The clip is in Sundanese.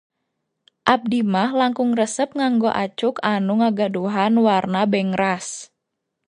Abdi mah langkung resep nganggo acuk anu ngagaduhan warna bengras.